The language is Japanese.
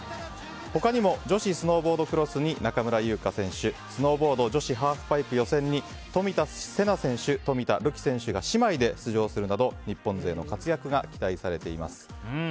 他にも女子スノーボードクロスに中村優花選手スノーボード女子ハーフパイプ予選に冨田せな選手、冨田るき選手が姉妹で出場するなど日本勢の活躍が期待されています。